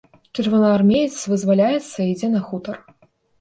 Чырвонаармеец вызваляецца і ідзе на хутар.